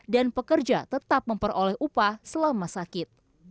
dan pekerja tetap memperoleh upah selama sakit